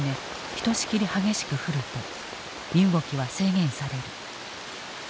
ひとしきり激しく降ると身動きは制限される。